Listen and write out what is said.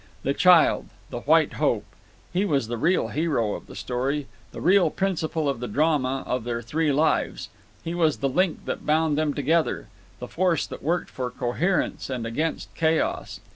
The child—the White Hope—he was the real hero of the story, the real principal of the drama of their three lives. He was the link that bound them together, the force that worked for coherence and against chaos.